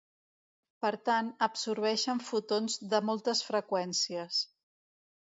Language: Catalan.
Per tant absorbeixen fotons de moltes freqüències.